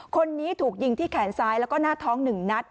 คนนี้ถูกยิงที่แขนซ้ายแล้วก็หน้าท้อง๑นัด